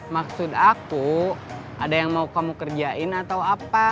maksud aku ada yang mau kamu kerjain atau apa